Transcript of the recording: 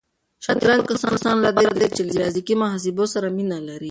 شطرنج د هغو کسانو لپاره دی چې له ریاضیکي محاسبو سره مینه لري.